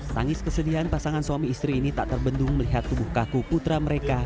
tangis kesedihan pasangan suami istri ini tak terbendung melihat tubuh kaku putra mereka